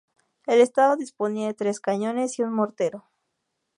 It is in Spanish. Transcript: El Estado disponía de tres cañones y un mortero.